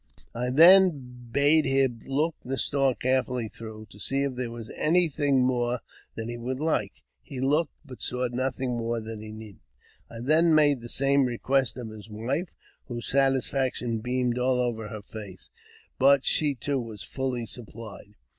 I then bade him look the store carefully through, to see if there was anything more that he would like. He looked, but saw nothing more that he needed. I then made the same request of his wife, whose satisfaction beamed all over her face, but she too was fully supplied.